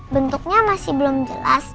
bentuknya masih belum jelas